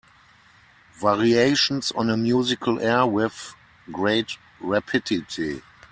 Variations on a musical air With great rapidity.